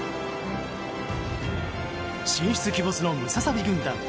神出鬼没のムササビ軍団。